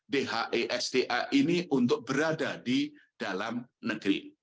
dhe xda ini untuk berada di dalam negeri